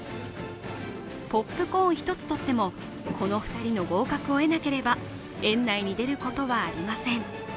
ポップコーン一つとってもこの２人の合格を得なければ園内に出ることはありません。